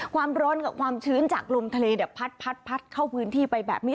ความร้อนกับความชื้นจากลมทะเลเนี่ยพัดเข้าพื้นที่ไปแบบนี้